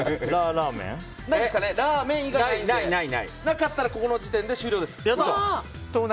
ラーメン以外ないのでなかったら、この時点で終了です。